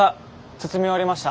包み終わりました。